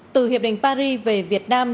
từ hiệp định paris về việt nam